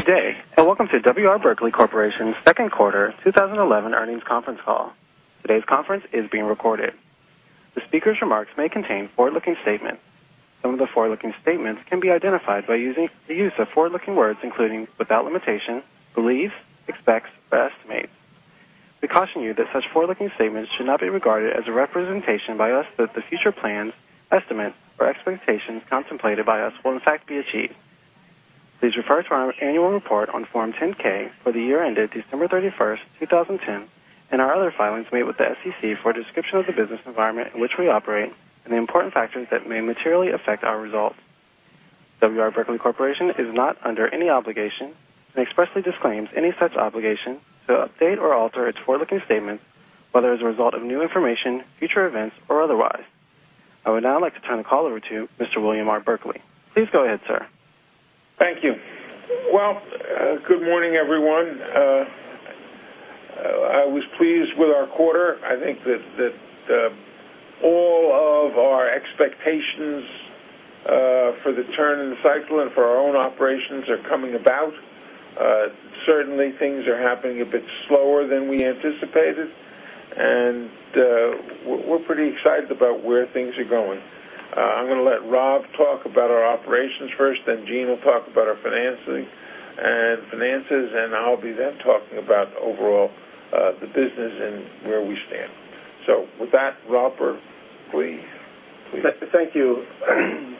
Good day, welcome to W. R. Berkley Corporation's second quarter 2011 earnings conference call. Today's conference is being recorded. The speaker's remarks may contain forward-looking statements. Some of the forward-looking statements can be identified by the use of forward-looking words, including, without limitation, believe, expects, or estimate. We caution you that such forward-looking statements should not be regarded as a representation by us that the future plans, estimates, or expectations contemplated by us will in fact be achieved. Please refer to our annual report on Form 10-K for the year ended December 31st, 2010, and our other filings made with the SEC for a description of the business environment in which we operate and the important factors that may materially affect our results. W. R. W. R. Berkley Corporation is not under any obligation and expressly disclaims any such obligation to update or alter its forward-looking statements, whether as a result of new information, future events, or otherwise. I would now like to turn the call over to Mr. William R. Berkley. Please go ahead, sir. Thank you. Well, good morning, everyone. I was pleased with our quarter. I think that all of our expectations for the turn in the cycle and for our own operations are coming about. Certainly, things are happening a bit slower than we anticipated, we're pretty excited about where things are going. I'm going to let Rob talk about our operations first, then Gene will talk about our financing and finances, I'll be then talking about overall the business and where we stand. With that, Robert, please. Thank you.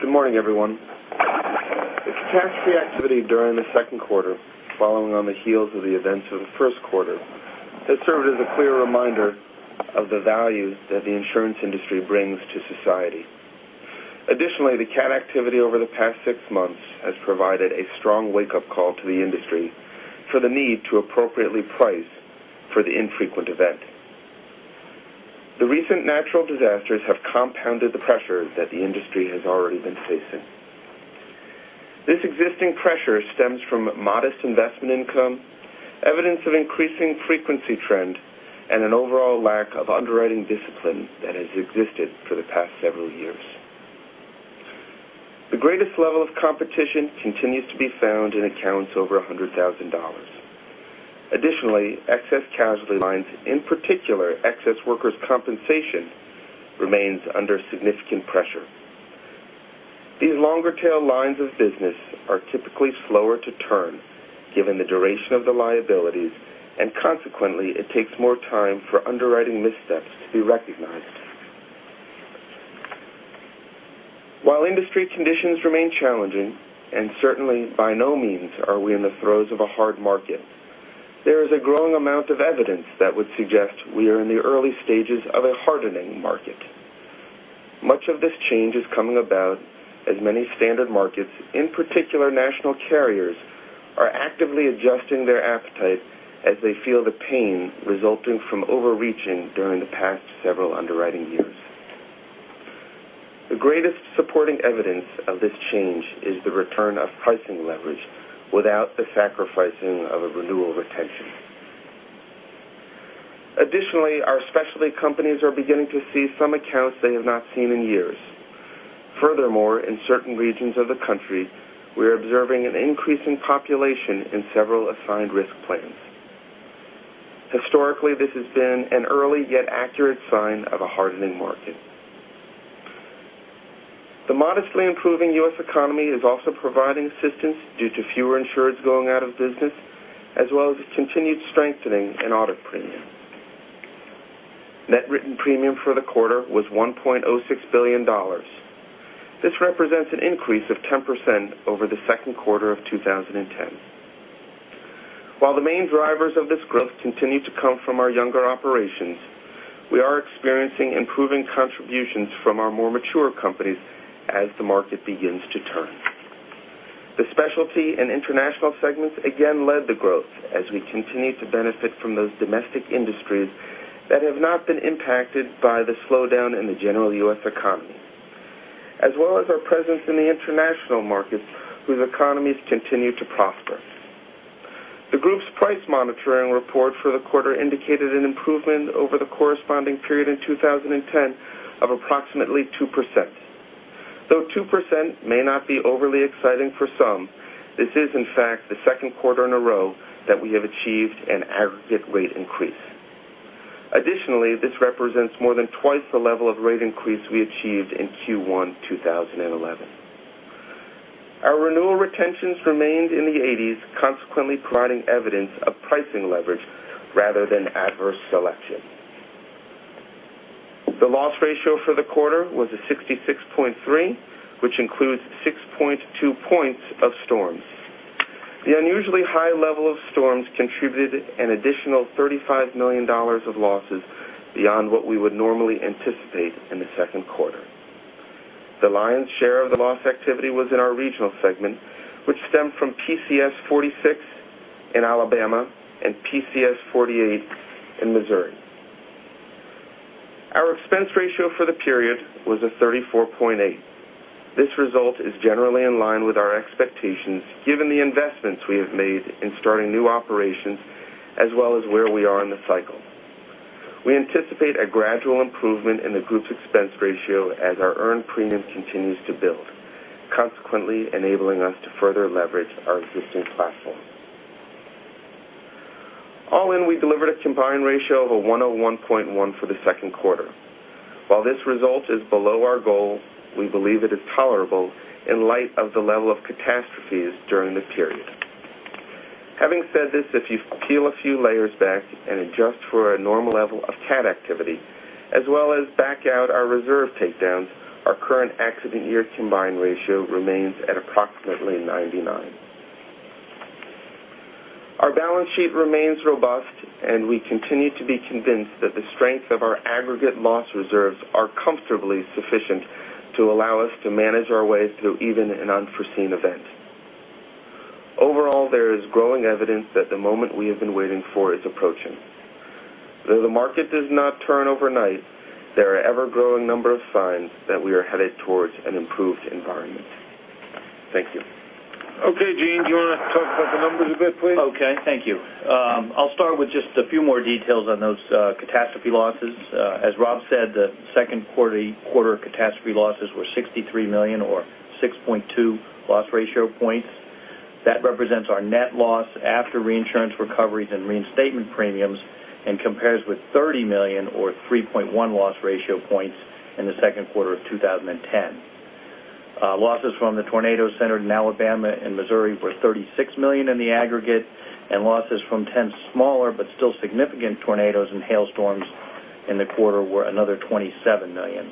Good morning, everyone. The cat activity during the second quarter, following on the heels of the events of the first quarter, has served as a clear reminder of the value that the insurance industry brings to society. Additionally, the cat activity over the past six months has provided a strong wake-up call to the industry for the need to appropriately price for the infrequent event. The recent natural disasters have compounded the pressure that the industry has already been facing. This existing pressure stems from modest investment income, evidence of increasing frequency trend, an overall lack of underwriting discipline that has existed for the past several years. The greatest level of competition continues to be found in accounts over $100,000. Additionally, excess casualty lines, in particular excess workers' compensation, remains under significant pressure. These longer tail lines of business are typically slower to turn, given the duration of the liabilities, and consequently, it takes more time for underwriting missteps to be recognized. While industry conditions remain challenging, and certainly by no means are we in the throes of a hard market, there is a growing amount of evidence that would suggest we are in the early stages of a hardening market. Much of this change is coming about as many standard markets, in particular national carriers, are actively adjusting their appetite as they feel the pain resulting from overreaching during the past several underwriting years. The greatest supporting evidence of this change is the return of pricing leverage without the sacrificing of a renewal retention. Additionally, our specialty companies are beginning to see some accounts they have not seen in years. Furthermore, in certain regions of the country, we are observing an increase in population in several assigned risk plans. Historically, this has been an early yet accurate sign of a hardening market. The modestly improving U.S. economy is also providing assistance due to fewer insurers going out of business, as well as its continued strengthening in audit premium. Net written premium for the quarter was $1.06 billion. This represents an increase of 10% over the second quarter of 2010. While the main drivers of this growth continue to come from our younger operations, we are experiencing improving contributions from our more mature companies as the market begins to turn. The specialty and international segments again led the growth as we continue to benefit from those domestic industries that have not been impacted by the slowdown in the general U.S. economy, as well as our presence in the international markets whose economies continue to prosper. The group's price monitoring report for the quarter indicated an improvement over the corresponding period in 2010 of approximately 2%. Though 2% may not be overly exciting for some, this is in fact the second quarter in a row that we have achieved an aggregate rate increase. Additionally, this represents more than twice the level of rate increase we achieved in Q1 2011. Our renewal retentions remained in the 80s, consequently providing evidence of pricing leverage rather than adverse selection. The loss ratio for the quarter was a 66.3, which includes 6.2 points of storms. The unusually high level of storms contributed an additional $35 million of losses beyond what we would normally anticipate in the second quarter. The lion's share of the loss activity was in our regional segment, which stemmed from PCS 46 in Alabama and PCS 48 in Missouri. Our expense ratio for the period was a 34.8. This result is generally in line with our expectations given the investments we have made in starting new operations as well as where we are in the cycle. We anticipate a gradual improvement in the group's expense ratio as our earned premium continues to build, consequently enabling us to further leverage our existing platform. All in, we delivered a combined ratio of 101.1 for the second quarter. While this result is below our goal, we believe it is tolerable in light of the level of catastrophes during the period. Having said this, if you peel a few layers back and adjust for a normal level of cat activity, as well as back out our reserve takedowns, our current accident year combined ratio remains at approximately 99. Our balance sheet remains robust, and we continue to be convinced that the strength of our aggregate loss reserves are comfortably sufficient to allow us to manage our way through even an unforeseen event. Overall, there is growing evidence that the moment we have been waiting for is approaching. Though the market does not turn overnight, there are ever-growing number of signs that we are headed towards an improved environment. Thank you. Okay, Gene, do you want to talk about the numbers a bit, please? Okay, thank you. I'll start with just a few more details on those catastrophe losses. As Rob said, the second quarter catastrophe losses were $63 million or 6.2 loss ratio points. That represents our net loss after reinsurance recoveries and reinstatement premiums and compares with $30 million or 3.1 loss ratio points in the second quarter of 2010. Losses from the tornado centered in Alabama and Missouri were $36 million in the aggregate, and losses from 10 smaller but still significant tornadoes and hailstorms in the quarter were another $27 million.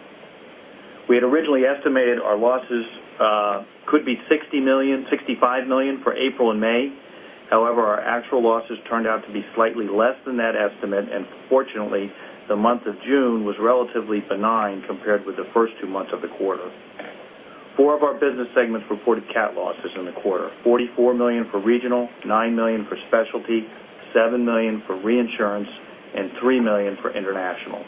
We had originally estimated our losses could be $60 million, $65 million for April and May. However, our actual losses turned out to be slightly less than that estimate, and fortunately, the month of June was relatively benign compared with the first two months of the quarter. Four of our business segments reported cat losses in the quarter, $44 million for regional, $9 million for specialty, $7 million for reinsurance, and $3 million for international.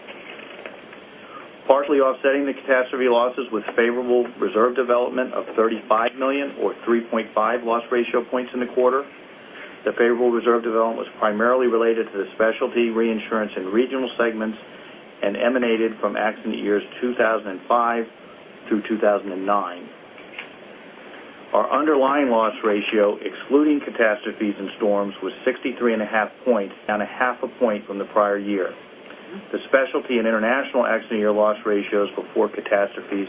Partially offsetting the catastrophe losses was favorable reserve development of $35 million or 3.5 loss ratio points in the quarter. The favorable reserve development was primarily related to the specialty reinsurance in regional segments and emanated from accident years 2005 through 2009. Our underlying loss ratio, excluding catastrophes and storms, was 63.5 points, down a half a point from the prior year. The specialty and international accident year loss ratios before catastrophes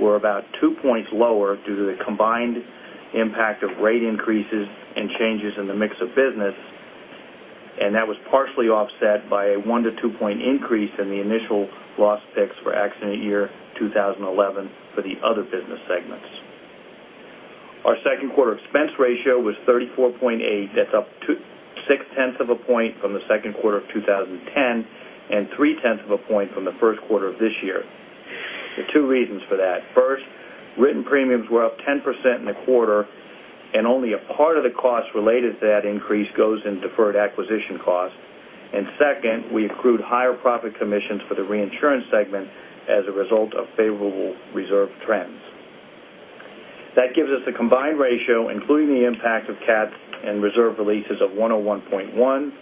were about 2 points lower due to the combined impact of rate increases and changes in the mix of business, that was partially offset by a 1- to 2-point increase in the initial loss picks for accident year 2011 for the other business segments. Our second quarter expense ratio was 34.8. That's up to six-tenths of a point from the second quarter of 2010 and three-tenths of a point from the first quarter of this year. There are two reasons for that. First, written premiums were up 10% in the quarter and only a part of the cost related to that increase goes into deferred acquisition cost. Second, we accrued higher profit commissions for the reinsurance segment as a result of favorable reserve trends. That gives us a combined ratio, including the impact of cat and reserve releases of 101.1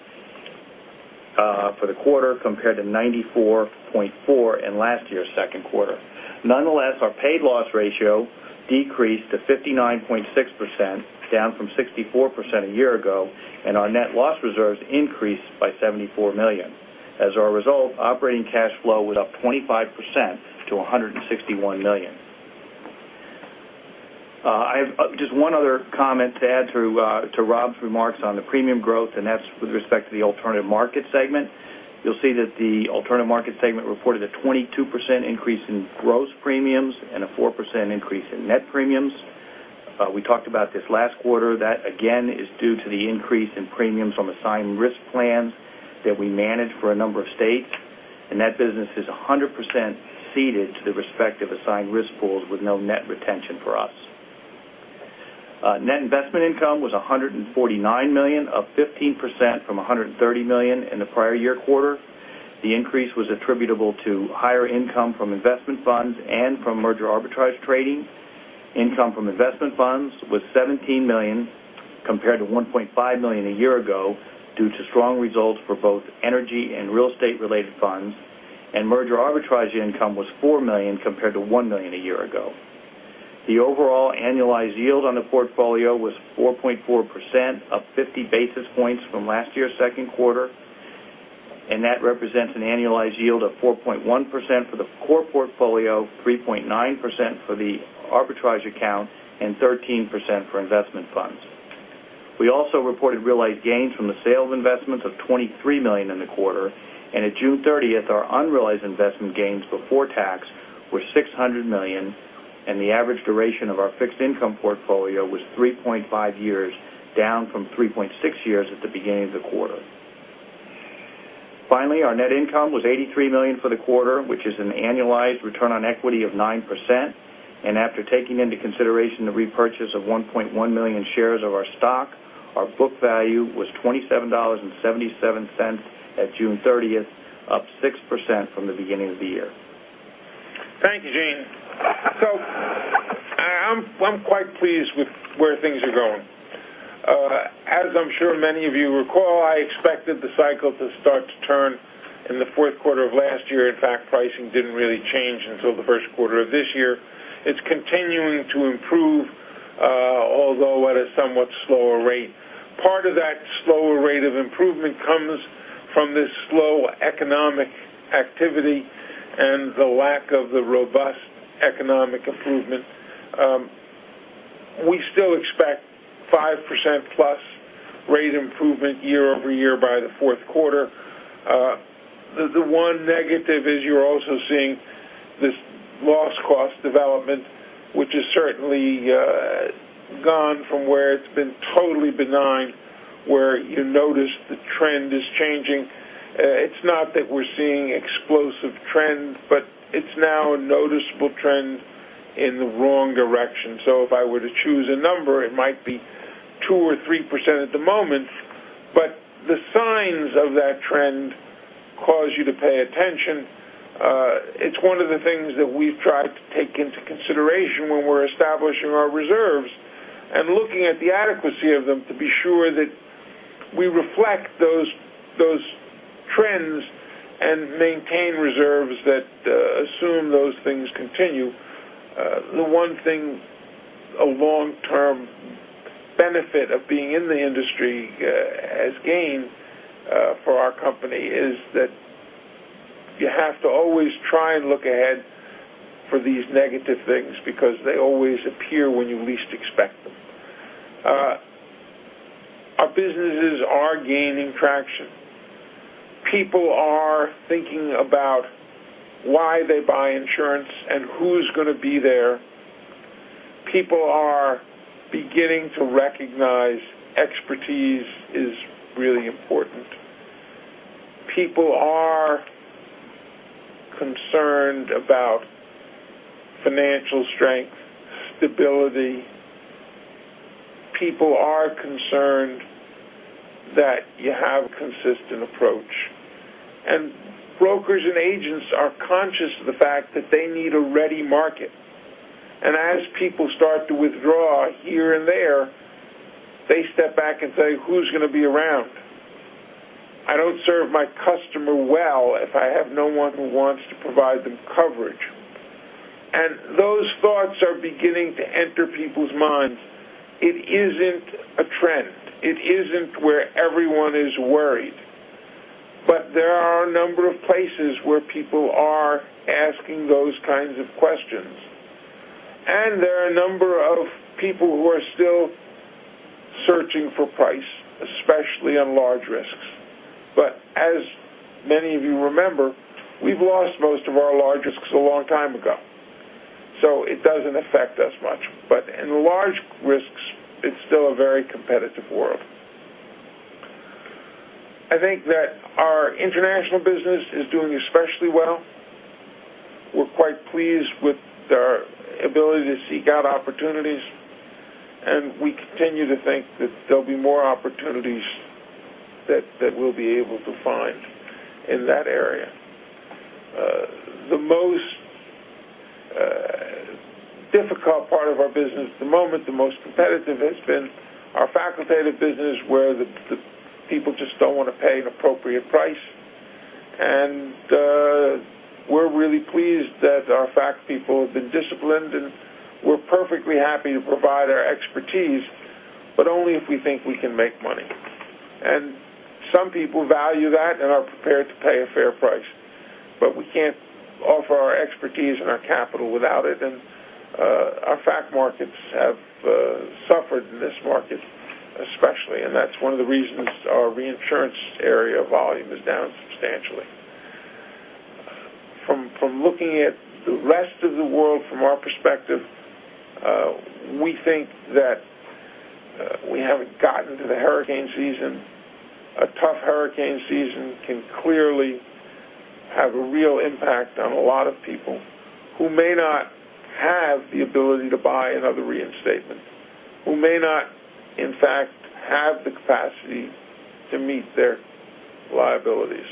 for the quarter compared to 94.4 in last year's second quarter. Nonetheless, our paid loss ratio decreased to 59.6%, down from 64% a year ago, and our net loss reserves increased by $74 million. As a result, operating cash flow was up 25% to $161 million. Just one other comment to add to Rob's remarks on the premium growth, and that's with respect to the alternative market segment. You'll see that the alternative market segment reported a 22% increase in gross premiums and a 4% increase in net premiums. We talked about this last quarter. That again is due to the increase in premiums from assigned risk plans that we manage for a number of states, and that business is 100% ceded to the respective assigned risk pools with no net retention for us. Net investment income was $149 million, up 15% from $130 million in the prior year quarter. The increase was attributable to higher income from investment funds and from merger arbitrage trading. Income from investment funds was $17 million compared to $1.5 million a year ago due to strong results for both energy and real estate related funds. Merger arbitrage income was $4 million compared to $1 million a year ago. The overall annualized yield on the portfolio was 4.4%, up 50 basis points from last year's second quarter. That represents an annualized yield of 4.1% for the core portfolio, 3.9% for the arbitrage account, and 13% for investment funds. We also reported realized gains from the sale of investments of $23 million in the quarter, and at June 30th, our unrealized investment gains before tax were $600 million, and the average duration of our fixed income portfolio was 3.5 years, down from 3.6 years at the beginning of the quarter. Finally, our net income was $83 million for the quarter, which is an annualized return on equity of 9%. After taking into consideration the repurchase of 1.1 million shares of our stock, our book value was $27.77 at June 30th, up 6% from the beginning of the year. Thank you, Gene. I'm quite pleased with where things are going. As I'm sure many of you recall, I expected the cycle to start to turn in the fourth quarter of last year. In fact, pricing didn't really change until the first quarter of this year. It's continuing to improve, although at a somewhat slower rate. Part of that slower rate of improvement comes from this slow economic activity and the lack of the robust economic improvement. We still expect 5% plus rate improvement year-over-year by the fourth quarter. The one negative is you're also seeing this loss cost development, which has certainly gone from where it's been totally benign, where you notice the trend is changing. It's not that we're seeing explosive trends, but it's now a noticeable trend in the wrong direction. If I were to choose a number, it might be 2% or 3% at the moment, but the signs of that trend cause you to pay attention. It's one of the things that we've tried to take into consideration when we're establishing our reserves and looking at the adequacy of them to be sure that we reflect those trends and maintain reserves that assume those things continue. The one thing, a long-term benefit of being in the industry has gained for our company is that you have to always try and look ahead for these negative things because they always appear when you least expect them. Our businesses are gaining traction. People are thinking about why they buy insurance and who's going to be there. People are beginning to recognize expertise is really important. People are concerned about financial strength, stability. People are concerned that you have a consistent approach. Brokers and agents are conscious of the fact that they need a ready market. As people start to withdraw here and there, they step back and say, "Who's going to be around? I don't serve my customer well if I have no one who wants to provide them coverage." Those thoughts are beginning to enter people's minds. It isn't a trend. It isn't where everyone is worried. There are a number of places where people are asking those kinds of questions. There are a number of people who are still searching for price, especially on large risks. As many of you remember, we've lost most of our large risks a long time ago, so it doesn't affect us much. In large risks, it's still a very competitive world. I think that our international business is doing especially well. We're quite pleased with our ability to seek out opportunities, and we continue to think that there'll be more opportunities that we'll be able to find in that area. The most difficult part of our business at the moment, the most competitive, has been our facultative business, where the people just don't want to pay an appropriate price. We're really pleased that our fac people have been disciplined, and we're perfectly happy to provide our expertise, but only if we think we can make money. Some people value that and are prepared to pay a fair price. We can't offer our expertise and our capital without it, and our fac markets have suffered in this market, especially, and that's one of the reasons our reinsurance area volume is down substantially. From looking at the rest of the world from our perspective, we think that we haven't gotten to the hurricane season. A tough hurricane season can clearly have a real impact on a lot of people who may not have the ability to buy another reinstatement, who may not, in fact, have the capacity to meet their liabilities.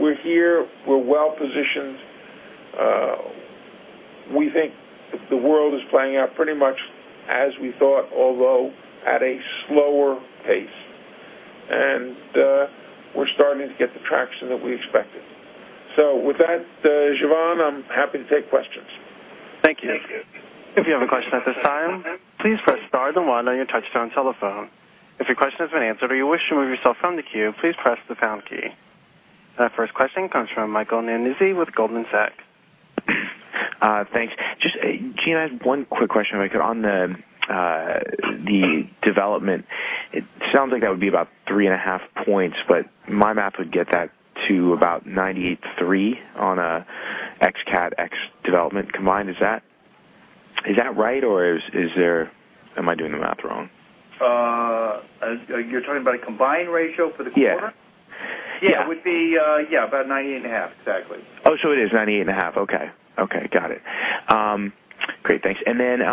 We're here, we're well-positioned. We think the world is playing out pretty much as we thought, although at a slower pace. We're starting to get the traction that we expected. With that, Jovan, I'm happy to take questions. Thank you. If you have a question at this time, please press star then one on your touchtone telephone. If your question has been answered or you wish to remove yourself from the queue, please press the pound key. Our first question comes from Michael Nannizzi with Goldman Sachs. Thanks. Just, Gene, I have one quick question on the development. It sounds like that would be about three and a half points, but my math would get that to about 98 three on a X cat X development combined. Is that right, or am I doing the math wrong? You're talking about a combined ratio for the quarter? Yeah. Yeah. It would be about 98.5, exactly. Oh, it is 98.5. Okay. Got it. Great. Thanks. Then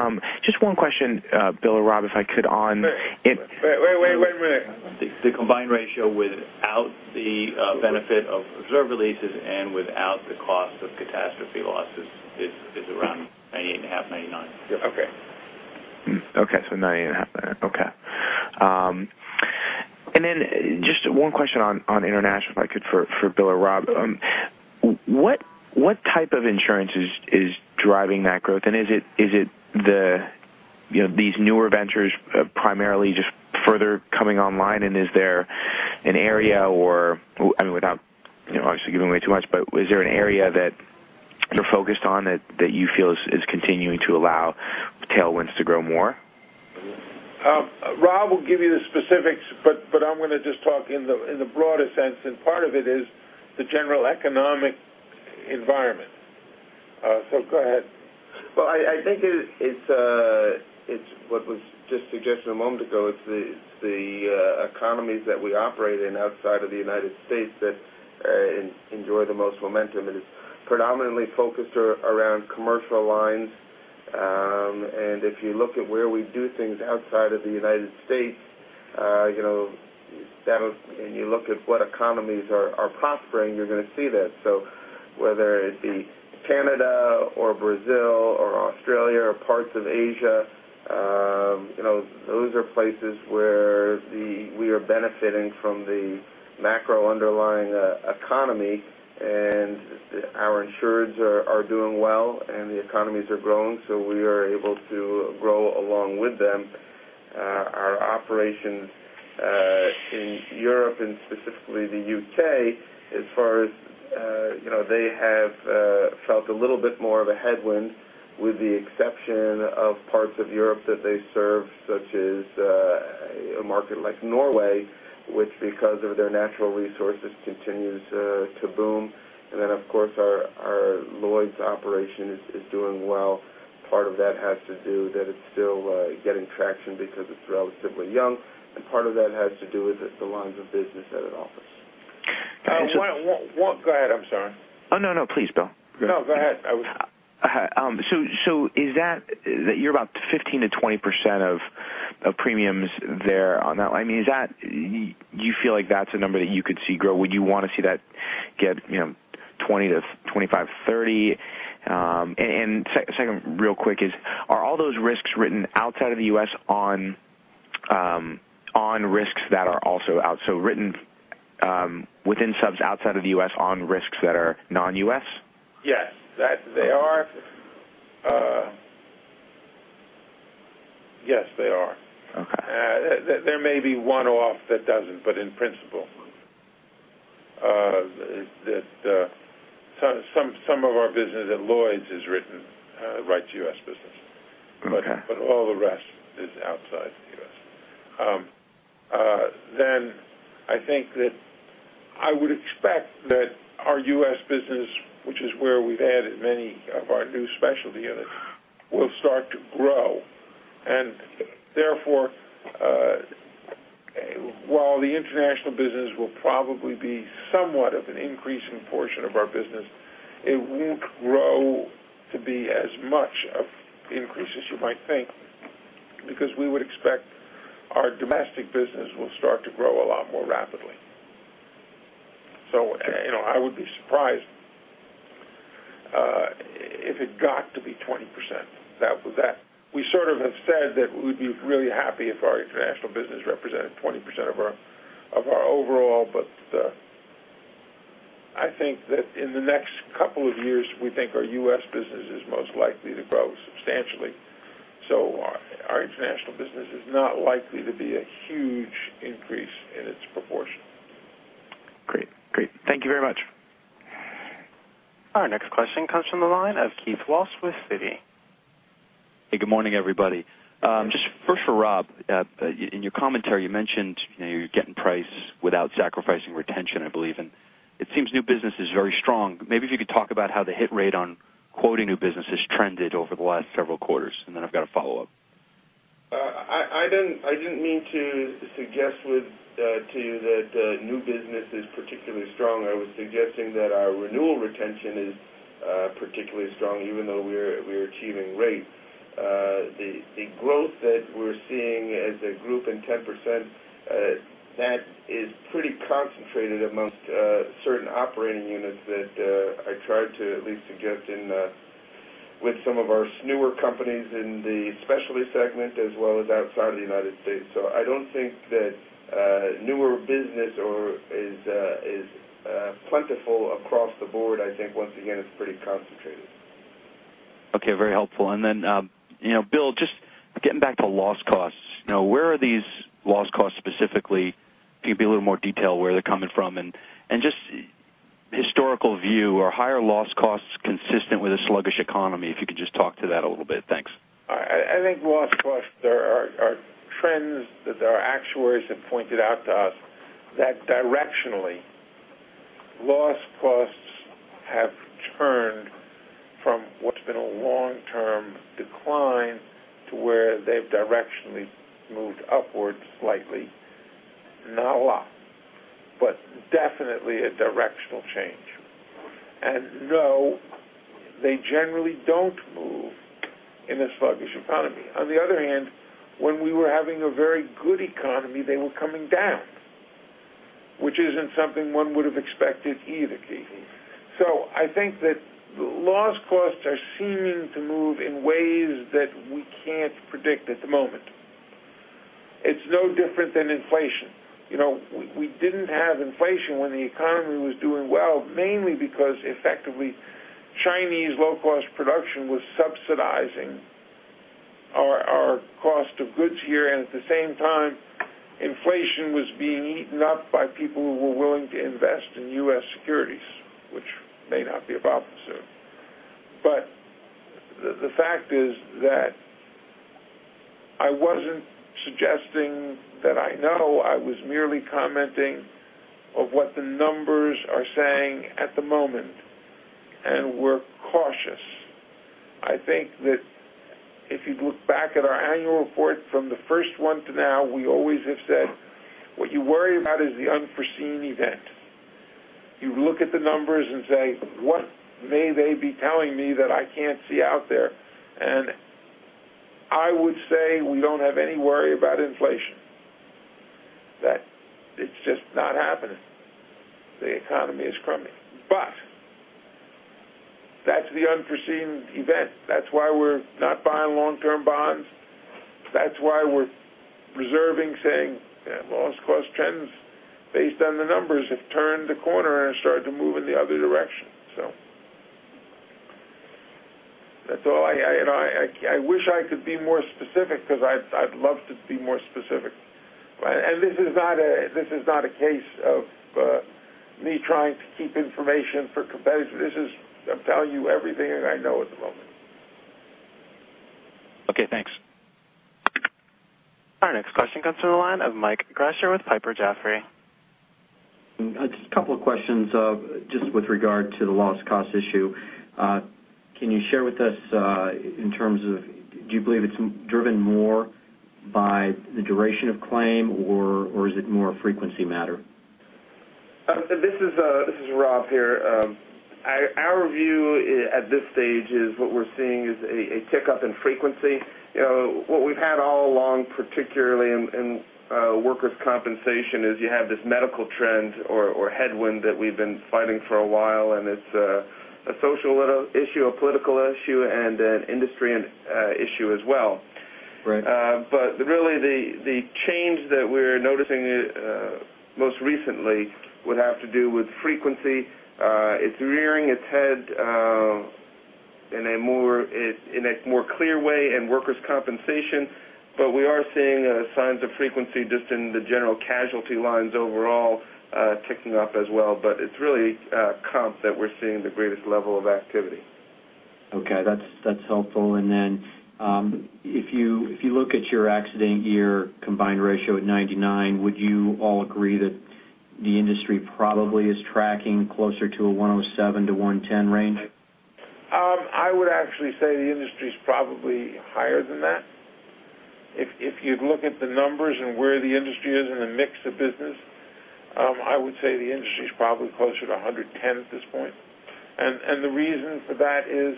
just one question, Bill or Rob, if I could on- Wait a minute. The combined ratio without the benefit of observed releases and without the cost of catastrophe losses is around 98.5, 99. Yep. Okay. 98.5. Okay. Just one question on international, if I could, for Bill or Rob. What type of insurance is driving that growth? Is it these newer ventures primarily just further coming online, and is there an area or, I mean, without obviously giving away too much, but is there an area that you're focused on that you feel is continuing to allow tailwinds to grow more? Rob will give you the specifics, I'm going to just talk in the broader sense, part of it is the general economic environment. Go ahead. Well, I think it's what was just suggested a moment ago. It's the economies that we operate in outside of the U.S. that enjoy the most momentum, it's predominantly focused around commercial lines. If you look at where we do things outside of the U.S., you look at what economies are prospering, you're going to see that. Whether it be Canada or Brazil or Australia or parts of Asia, those are places where we are benefiting from the macro underlying economy, our insurers are doing well, the economies are growing, we are able to grow along with them. Our operations in Europe and specifically the U.K., as far as they have felt a little bit more of a headwind with the exception of parts of Europe that they serve, such as a market like Norway, which because of their natural resources, continues to boom. Of course, our Lloyd's operation is doing well. Part of that has to do that it's still getting traction because it's relatively young, part of that has to do with the lines of business that it offers. Go ahead. I'm sorry. Oh, no. Please, Bill. No, go ahead. You're about 15%-20% of premiums there on that line. Do you feel like that's a number that you could see grow? Would you want to see that get 20%-25%, 30%? Second, real quick is, are all those risks written outside of the U.S. on risks that are also out, written within subs outside of the U.S. on risks that are non-U.S.? Yes. They are. Yes, they are. Okay. There may be one-off that doesn't, but in principle. Some of our business at Lloyd's is written right to U.S. business. Okay. All the rest is outside the U.S. I think that I would expect that our U.S. business, which is where we've added many of our new specialty units, will start to grow. Therefore, while the international business will probably be somewhat of an increasing portion of our business, it won't grow to be as much of increase as you might think because we would expect our domestic business will start to grow a lot more rapidly. I would be surprised if it got to be 20%. We sort of have said that we'd be really happy if our international business represented 20% of our overall, but I think that in the next couple of years, we think our U.S. business is most likely to grow substantially. Our international business is not likely to be a huge increase in its proportion. Great. Thank you very much. Our next question comes from the line of Keith Walsh with Citi. Hey, good morning, everybody. Just first for Rob. In your commentary, you mentioned you're getting price without sacrificing retention, I believe, and it seems new business is very strong. Maybe if you could talk about how the hit rate on quoting new business has trended over the last several quarters, then I've got a follow-up. I didn't mean to suggest to you that new business is particularly strong. I was suggesting that our renewal retention is particularly strong, even though we're achieving rate. The growth that we're seeing as a group in 10%, that is pretty concentrated amongst certain operating units that I tried to at least suggest in with some of our newer companies in the Specialty segment, as well as outside of the U.S. I don't think that newer business is plentiful across the board. I think, once again, it's pretty concentrated. Okay. Very helpful. Then, Bill, just getting back to loss costs. Where are these loss costs specifically? Can you be a little more detailed where they're coming from? Just historical view. Are higher loss costs consistent with a sluggish economy? If you could just talk to that a little bit. Thanks. I think loss costs are trends that our actuaries have pointed out to us that directionally, loss costs have turned from what's been a long-term decline to where they've directionally moved upwards slightly. Not a lot, but definitely a directional change. No, they generally don't move in a sluggish economy. On the other hand, when we were having a very good economy, they were coming down, which isn't something one would have expected either, Keith. I think that loss costs are seeming to move in ways that we can't predict at the moment. It's no different than inflation. We didn't have inflation when the economy was doing well, mainly because effectively Chinese low-cost production was subsidizing our cost of goods here, and at the same time, inflation was being eaten up by people who were willing to invest in U.S. securities, which may not be about to serve. The fact is that I wasn't suggesting that I know, I was merely commenting of what the numbers are saying at the moment, and we're cautious. I think that if you look back at our annual report from the first one to now, we always have said, what you worry about is the unforeseen event. You look at the numbers and say, what may they be telling me that I can't see out there? I would say we don't have any worry about inflation, that it's just not happening. The economy is crummy. That's the unforeseen event. That's why we're not buying long-term bonds. That's why we're preserving, saying loss cost trends based on the numbers have turned the corner and started to move in the other direction. I wish I could be more specific because I'd love to be more specific. This is not a case of me trying to keep information for competitors. This is, I'm telling you everything that I know at the moment. Okay, thanks. Our next question comes from the line of Mike Gresser with Piper Jaffray. Just a couple of questions, just with regard to the loss cost issue. Can you share with us in terms of, do you believe it's driven more by the duration of claim, or is it more a frequency matter? This is Rob here. Our view at this stage is what we're seeing is a tick-up in frequency. What we've had all along, particularly in workers' compensation, is you have this medical trend or headwind that we've been fighting for a while, and it's a social issue, a political issue, and an industry issue as well. Right. Really the change that we're noticing most recently would have to do with frequency. It's rearing its head in a more clear way in workers' compensation, but we are seeing signs of frequency just in the general casualty lines overall ticking up as well. It's really comp that we're seeing the greatest level of activity. Okay. That's helpful. Then if you look at your accident year combined ratio at 99, would you all agree that the industry probably is tracking closer to a 107-110 range? I would actually say the industry's probably higher than that. If you'd look at the numbers and where the industry is in the mix of business, I would say the industry is probably closer to 110 at this point. The reason for that is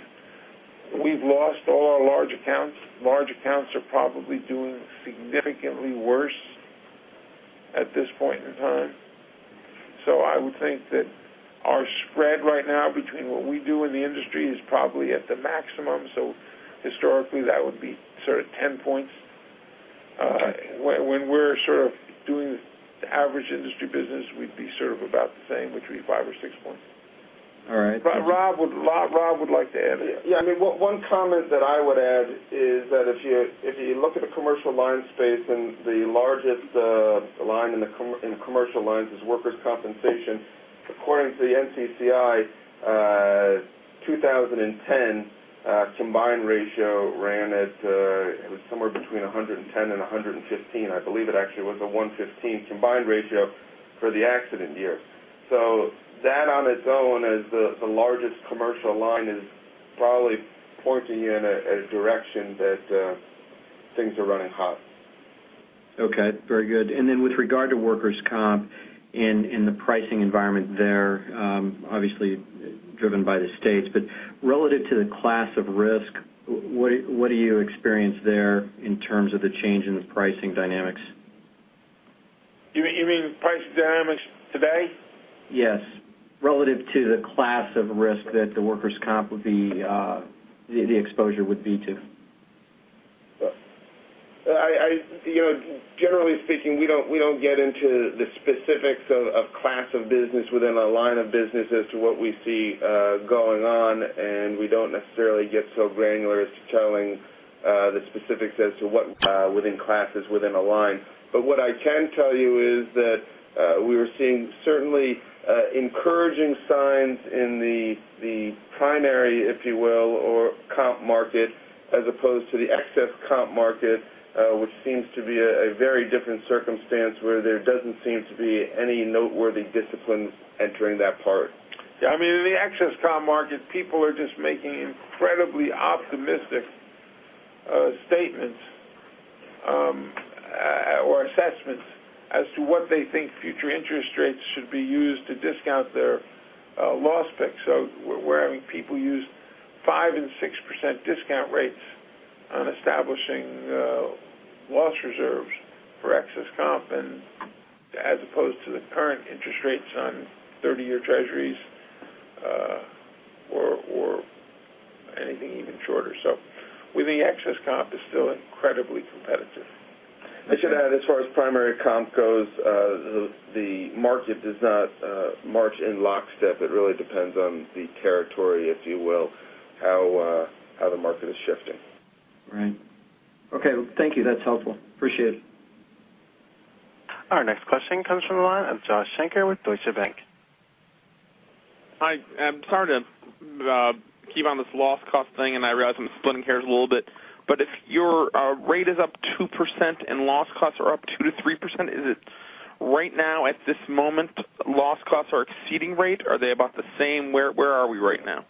we've lost all our large accounts. Large accounts are probably doing significantly worse at this point in time. I would think that our spread right now between what we do in the industry is probably at the maximum. Historically, that would be sort of 10 points. When we're sort of doing the average industry business, we'd be sort of about the same, which would be five or six points. All right. Rob would like to add. Yeah. One comment that I would add is that if you look at the commercial line space and the largest line in commercial lines is workers' compensation. According to the NCCI, 2010 combined ratio ran at, it was somewhere between 110 and 115. I believe it actually was a 115 combined ratio for the accident year. That on its own as the largest commercial line is probably pointing in a direction that things are running hot. Okay, very good. With regard to workers' comp in the pricing environment there, obviously driven by the states, but relative to the class of risk, what do you experience there in terms of the change in the pricing dynamics? You mean price dynamics today? Yes, relative to the class of risk that the workers' comp, the exposure would be to. Generally speaking, we don't get into the specifics of class of business within a line of business as to what we see going on, and we don't necessarily get so granular as to telling the specifics as to what within classes within a line. What I can tell you is that we are seeing certainly encouraging signs in the primary, if you will, or comp market, as opposed to the excess comp market, which seems to be a very different circumstance where there doesn't seem to be any noteworthy disciplines entering that part. In the excess comp market, people are just making incredibly optimistic statements or assessments as to what they think future interest rates should be used to discount their loss picks. We're having people use 5% and 6% discount rates on establishing loss reserves for excess comp, as opposed to the current interest rates on 30-year Treasuries or anything even shorter. We think excess comp is still incredibly competitive. I should add, as far as primary comp goes, the market does not march in lockstep. It really depends on the territory, if you will, how the market is shifting. Right. Okay. Thank you. That's helpful. Appreciate it. Our next question comes from the line of Joshua Shanker with Deutsche Bank. Hi, I'm sorry to keep on this loss cost thing. I realize I'm splitting hairs a little bit, if your rate is up 2% and loss costs are up 2%-3%, is it right now, at this moment, loss costs are exceeding rate? Are they about the same? Where are we right now?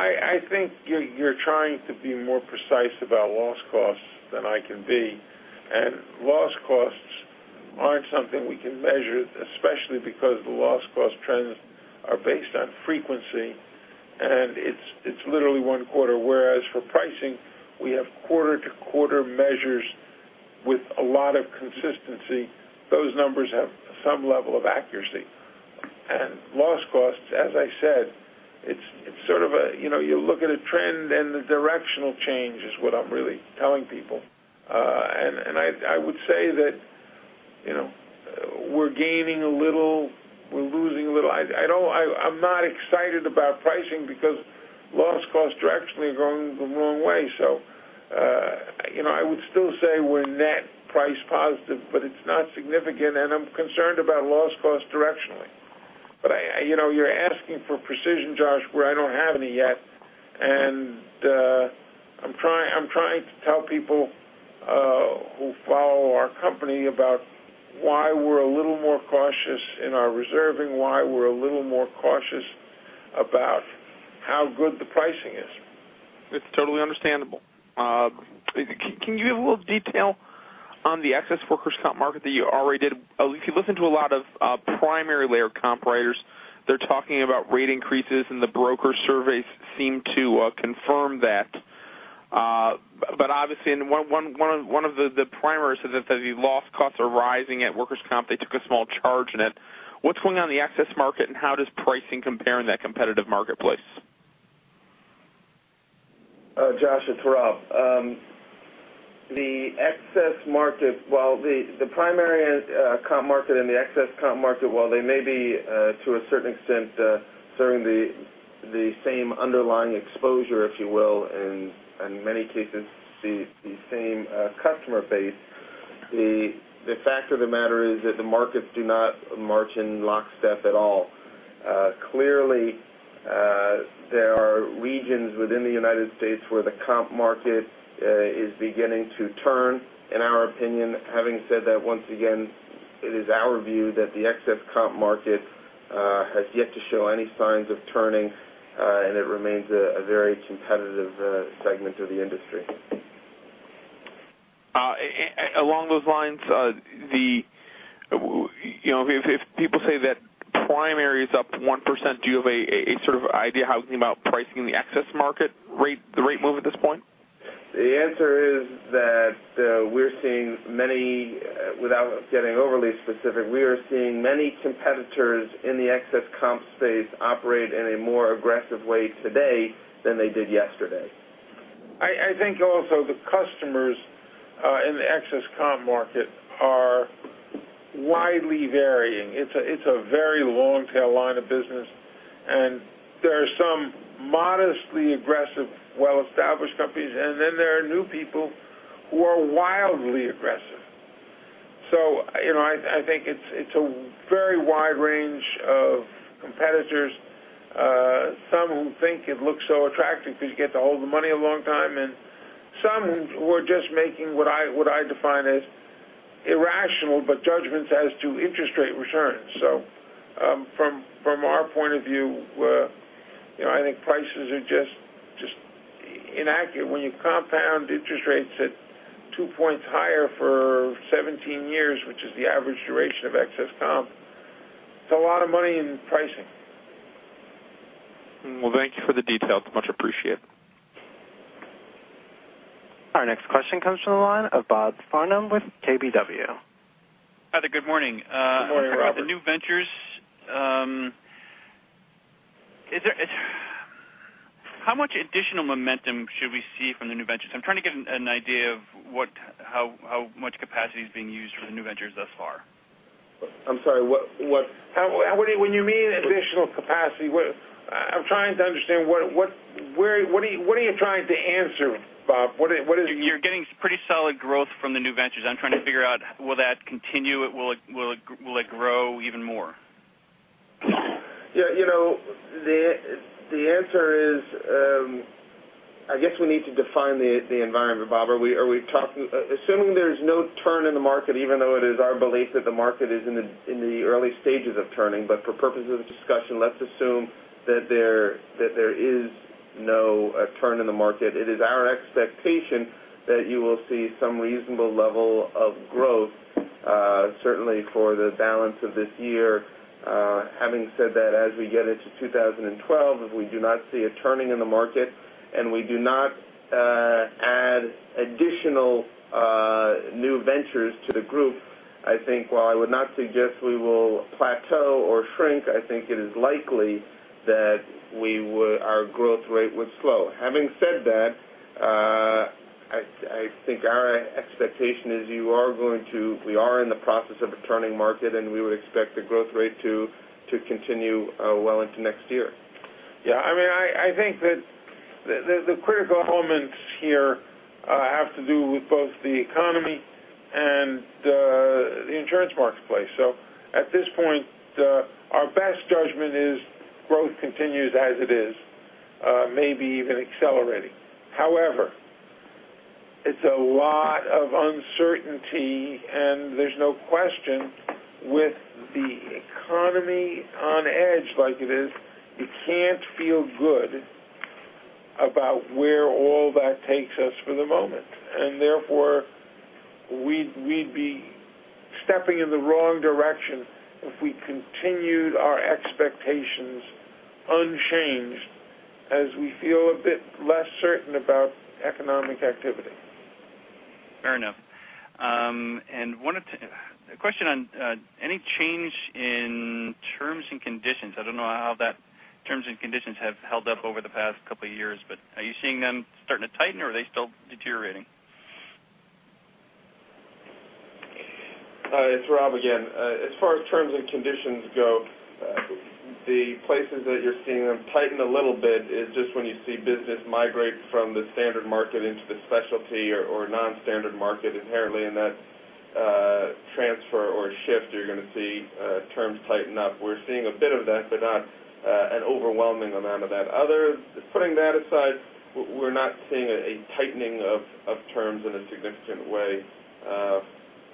I think you're trying to be more precise about loss costs than I can be. Loss costs aren't something we can measure, especially because the loss cost trends are based on frequency, and it's literally one quarter. Whereas for pricing, we have quarter-to-quarter measures with a lot of consistency. Those numbers have some level of accuracy. Loss costs, as I said, you look at a trend, the directional change is what I'm really telling people. I would say that we're gaining a little, we're losing a little. I'm not excited about pricing because loss costs directionally are going the wrong way. I would still say we're net price positive, but it's not significant, I'm concerned about loss costs directionally. You're asking for precision, Josh, where I don't have any yet. I'm trying to tell people who follow our company about why we're a little more cautious in our reserving, why we're a little more cautious about how good the pricing is. It's totally understandable. Can you give a little detail on the excess workers' compensation market that you already did? If you listen to a lot of primary layer compensation writers, they're talking about rate increases, and the broker surveys seem to confirm that. Obviously, in one of the primaries, it says the loss costs are rising at workers' compensation. They took a small charge in it. What's going on in the excess market, and how does pricing compare in that competitive marketplace? Josh, it's Rob. The excess market, while the primary compensation market and the excess compensation market, while they may be to a certain extent, sharing the same underlying exposure, if you will, and in many cases, the same customer base, the fact of the matter is that the markets do not march in lockstep at all. Clearly, there are regions within the U.S. where the compensation market is beginning to turn, in our opinion. Having said that, once again, it is our view that the excess compensation market has yet to show any signs of turning, and it remains a very competitive segment of the industry. Along those lines, if people say that primary is up 1%, do you have a sort of idea how about pricing the excess market rate move at this point? The answer is that without getting overly specific, we are seeing many competitors in the excess compensation space operate in a more aggressive way today than they did yesterday. I think also the customers in the excess comp market are widely varying. It's a very long-tail line of business, and there are some modestly aggressive, well-established companies, and then there are new people who are wildly aggressive. I think it's a very wide range of competitors. Some who think it looks so attractive because you get to hold the money a long time, and some who are just making what I define as irrational, but judgments as to interest rate returns. From our point of view, I think prices are just inaccurate. When you compound interest rates at two points higher for 17 years, which is the average duration of excess comp, it's a lot of money in pricing. Well, thank you for the details. Much appreciated. Our next question comes from the line of Bob Farnam with KBW. Hi there. Good morning. Good morning, Robert. The new ventures, how much additional momentum should we see from the new ventures? I'm trying to get an idea of how much capacity is being used for the new ventures thus far. I'm sorry. When you mean additional capacity, I'm trying to understand, what are you trying to answer, Bob? You're getting pretty solid growth from the new ventures. I'm trying to figure out will that continue? Will it grow even more? The answer is, I guess we need to define the environment, Bob. Assuming there's no turn in the market, even though it is our belief that the market is in the early stages of turning. For purposes of discussion, let's assume that there is no turn in the market. It is our expectation that you will see some reasonable level of growth, certainly for the balance of this year. Having said that, as we get into 2012, if we do not see a turning in the market and we do not add additional new ventures to the group, I think while I would not suggest we will plateau or shrink, I think it is likely that our growth rate would slow. Having said that, I think our expectation is we are in the process of a turning market, and we would expect the growth rate to continue well into next year. Yeah. I think that the critical elements here have to do with both the economy and the insurance marketplace. At this point, our best judgment is growth continues as it is, maybe even accelerating. However, it's a lot of uncertainty, and there's no question with the economy on edge like it is, you can't feel good about where all that takes us for the moment. Therefore, we'd be stepping in the wrong direction if we continued our expectations unchanged, as we feel a bit less certain about economic activity. Fair enough. A question on any change in terms and conditions. I don't know how that terms and conditions have held up over the past couple of years, are you seeing them starting to tighten, or are they still deteriorating? It's Rob again. As far as terms and conditions go, the places that you're seeing them tighten a little bit is just when you see business migrate from the standard market into the specialty or non-standard market. Inherently in that transfer or shift, you're going to see terms tighten up. We're seeing a bit of that, but not an overwhelming amount of that. Putting that aside, we're not seeing a tightening of terms in a significant way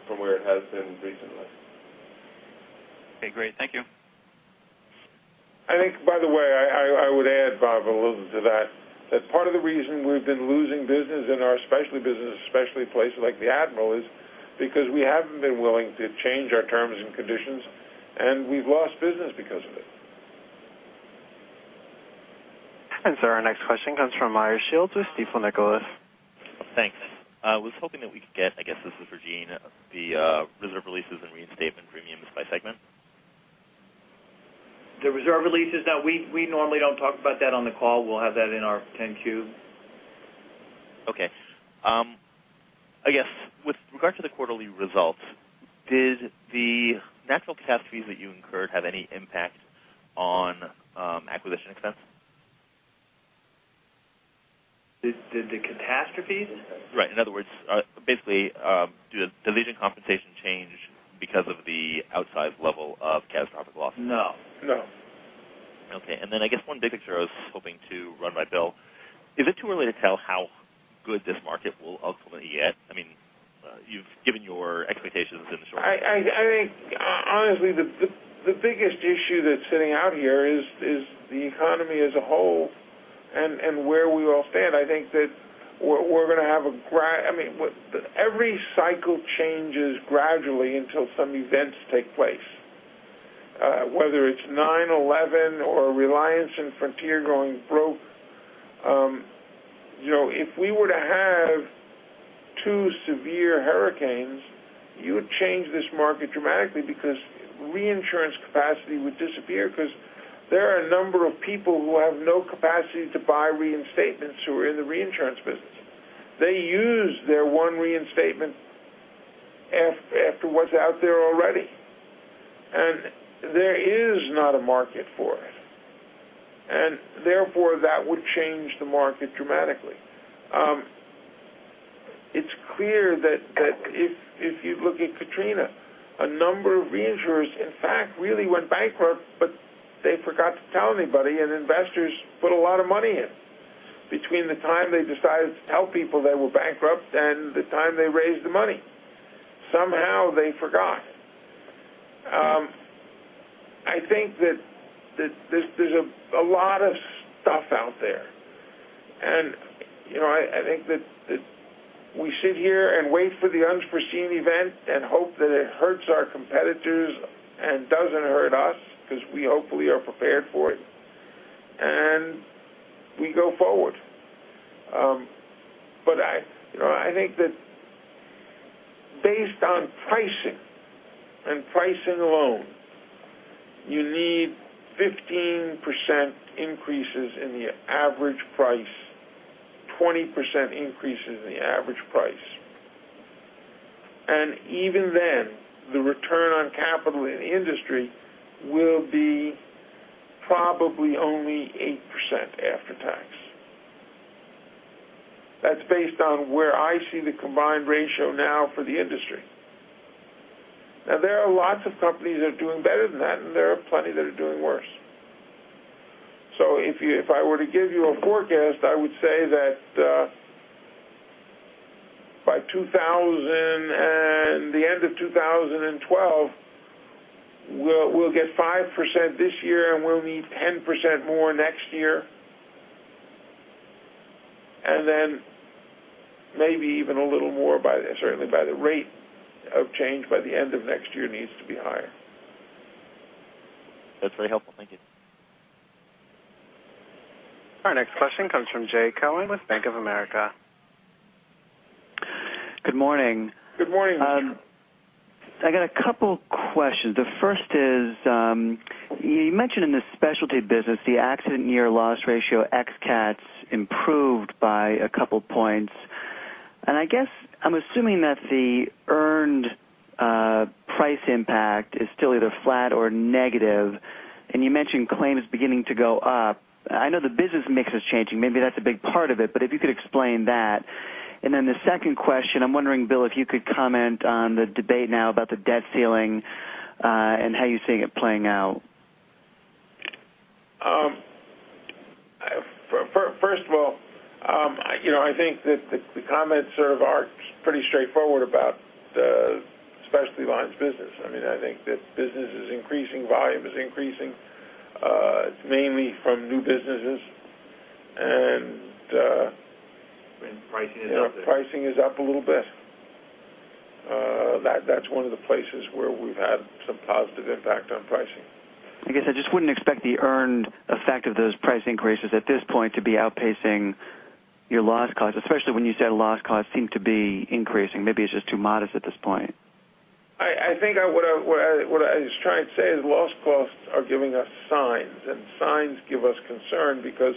from where it has been recently. Okay, great. Thank you. I think, by the way, I would add, Bob, a little to that part of the reason we've been losing business in our specialty business, especially places like The Admiral, is because we haven't been willing to change our terms and conditions. We've lost business because of it. Sir, our next question comes from Meyer Shields with Stifel Nicolaus. Thanks. I was hoping that we could get, I guess this is for Gene, the reserve releases and reinstatement premiums by segment. The reserve releases, no, we normally don't talk about that on the call. We'll have that in our 10-Q. Okay. I guess with regard to the quarterly results, did the natural catastrophes that you incurred have any impact on acquisition expense? Did the catastrophes? Right. In other words, basically, did the leasing compensation change because of the outsized level of catastrophic loss? No. No. Okay. I guess one big picture I was hoping to run by Bill. Is it too early to tell how good this market will ultimately get? You've given your expectations in the short run. I think, honestly, the biggest issue that's sitting out here is the economy as a whole and where we all stand. I think that every cycle changes gradually until some events take place, whether it's 9/11 or Reliance and Frontier going broke. If we were to have two severe hurricanes, you would change this market dramatically because reinsurance capacity would disappear because there are a number of people who have no capacity to buy reinstatements who are in the reinsurance business. They use their one reinstatement after what's out there already, and there is not a market for it, and therefore, that would change the market dramatically. It's clear that if you look at Katrina, a number of reinsurers, in fact, really went bankrupt, but they forgot to tell anybody, and investors put a lot of money in. Between the time they decided to tell people they were bankrupt and the time they raised the money, somehow they forgot. I think that there's a lot of stuff out there, and I think that we sit here and wait for the unforeseen event and hope that it hurts our competitors and doesn't hurt us because we hopefully are prepared for it, and we go forward. I think that based on pricing and pricing alone, you need 15% increases in the average price, 20% increases in the average price. Even then, the return on capital in the industry will be probably only 8% after tax. That's based on where I see the combined ratio now for the industry. Now, there are lots of companies that are doing better than that, and there are plenty that are doing worse. If I were to give you a forecast, I would say that by the end of 2012, we'll get 5% this year, and we'll need 10% more next year, and then maybe even a little more. Certainly by the rate of change, by the end of next year, it needs to be higher. That's very helpful. Thank you. Our next question comes from Jay Cohen with Bank of America. Good morning. Good morning. I got a couple questions. The first is, you mentioned in the specialty business the accident year loss ratio ex cats improved by a couple points, and I guess I'm assuming that the earned price impact is still either flat or negative, and you mentioned claims beginning to go up. I know the business mix is changing. Maybe that's a big part of it, but if you could explain that. The second question, I'm wondering, Bill, if you could comment on the debate now about the debt ceiling, and how you're seeing it playing out. First of all, I think that the comments sort of are pretty straightforward about the specialty lines business. I think that business is increasing, volume is increasing, mainly from new businesses. Pricing is up a bit. Pricing is up a little bit. That's one of the places where we've had some positive impact on pricing. I guess I just wouldn't expect the earned effect of those price increases at this point to be outpacing your loss costs, especially when you said loss costs seem to be increasing. Maybe it's just too modest at this point. I think what I was trying to say is loss costs are giving us signs. Signs give us concern because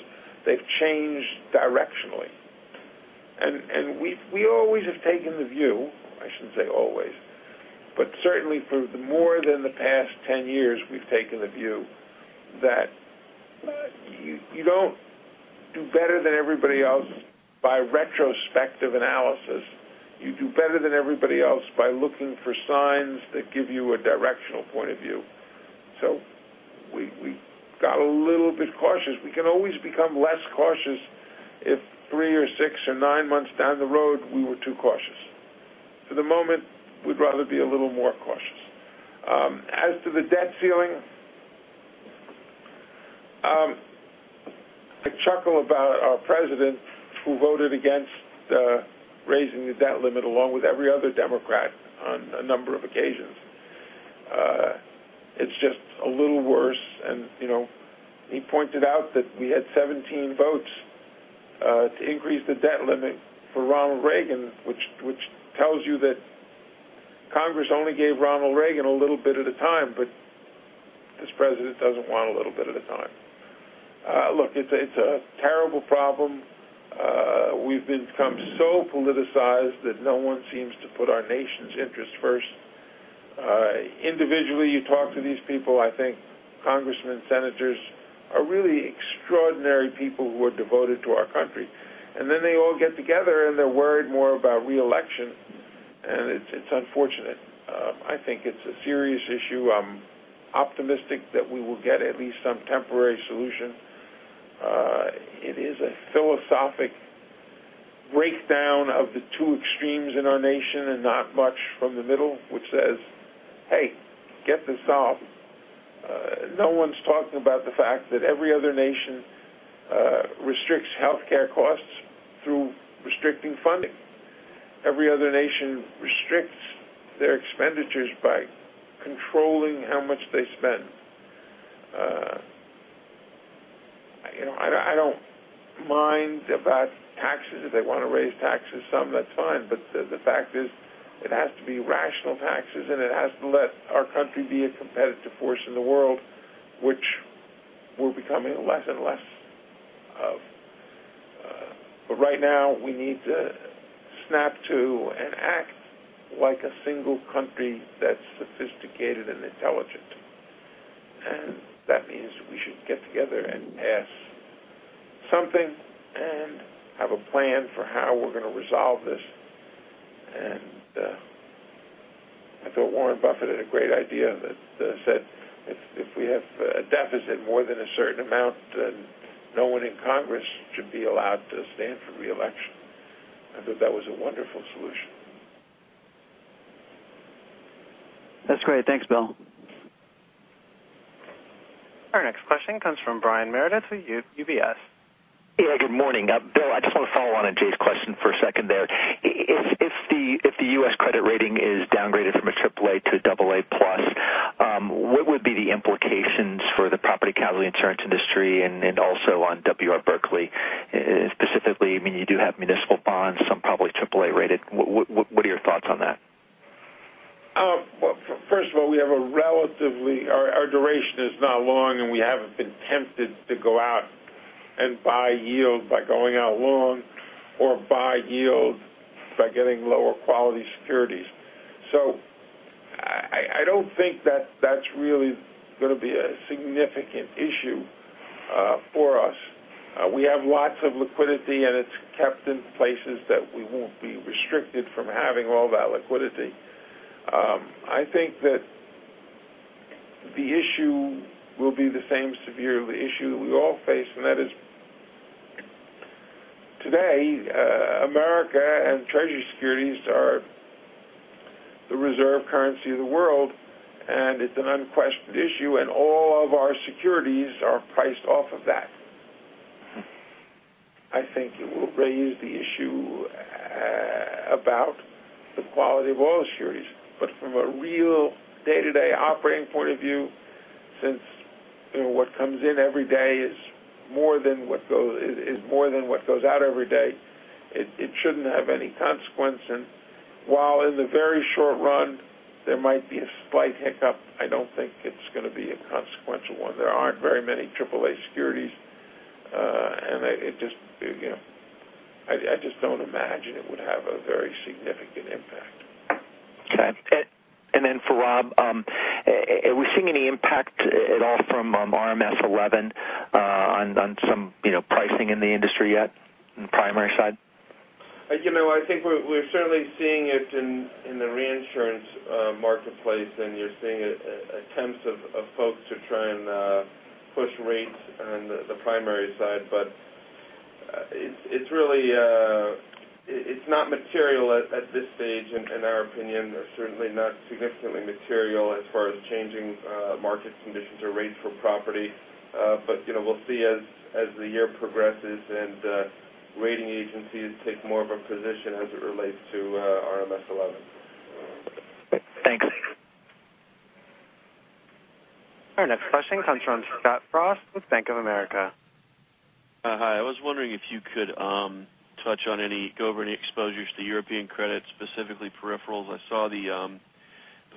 they've changed directionally. We always have taken the view, I shouldn't say always, but certainly for more than the past 10 years, we've taken the view that you don't do better than everybody else by retrospective analysis. You do better than everybody else by looking for signs that give you a directional point of view. We got a little bit cautious. We can always become less cautious if three or six or nine months down the road, we were too cautious. For the moment, we'd rather be a little more cautious. As to the debt ceiling, I chuckle about our President who voted against raising the debt limit along with every other Democrat on a number of occasions. It's just a little worse. He pointed out that we had 17 votes to increase the debt limit for Ronald Reagan, which tells you that Congress only gave Ronald Reagan a little bit at a time. This President doesn't want a little bit at a time. Look, it's a terrible problem. We've become so politicized that no one seems to put our nation's interests first. Individually, you talk to these people, I think congressmen, senators are really extraordinary people who are devoted to our country. They all get together, and they're worried more about re-election, and it's unfortunate. I think it's a serious issue. I'm optimistic that we will get at least some temporary solution. It is a philosophic breakdown of the two extremes in our nation and not much from the middle, which says, "Hey, get this solved." No one's talking about the fact that every other nation restricts healthcare costs through restricting funding. Every other nation restricts their expenditures by controlling how much they spend. I don't mind about taxes. If they want to raise taxes some, that's fine. The fact is, it has to be rational taxes, and it has to let our country be a competitive force in the world, which we're becoming less and less of. Right now, we need to snap to and act like a single country that's sophisticated and intelligent, and that means we should get together and pass something and have a plan for how we're going to resolve this. I thought Warren Buffett had a great idea that said if we have a deficit more than a certain amount, then no one in Congress should be allowed to stand for re-election. I thought that was a wonderful solution. That's great. Thanks, Bill. Our next question comes from Brian Meredith with UBS. Good morning. Bill, I just want to follow on to Jay's question for a second there. If the U.S. credit rating is downgraded from a AAA to a AA+, what would be the implications for the property casualty insurance industry and also on W. R. Berkley? Specifically, you do have municipal bonds, some probably AAA-rated. What are your thoughts on that? First of all, our duration is not long, and we haven't been tempted to go out and buy yield by going out long or buy yield by getting lower quality securities. I don't think that's really going to be a significant issue for us. We have lots of liquidity, and it's kept in places that we won't be restricted from having all that liquidity. I think that the issue will be the same severe issue we all face, and that is today, America and Treasury securities are the reserve currency of the world, and it's an unquestioned issue, and all of our securities are priced off of that. I think it will raise the issue about the quality of all securities. From a real day-to-day operating point of view, since what comes in every day is more than what goes out every day, it shouldn't have any consequence. While in the very short run, there might be a slight hiccup, I don't think it's going to be a consequential one. There aren't very many AAA securities. I just don't imagine it would have a very significant impact. Okay. For Rob, are we seeing any impact at all from RMS v11 on some pricing in the industry yet on the primary side? I think we're certainly seeing it in the reinsurance marketplace. You're seeing attempts of folks to try and push rates on the primary side. It's not material at this stage, in our opinion. Certainly not significantly material as far as changing market conditions or rates for property. We'll see as the year progresses and rating agencies take more of a position as it relates to RMS v11. Thanks. Our next question comes from Scott Frost with Bank of America. Hi. I was wondering if you could go over any exposures to European credit, specifically peripherals. I saw the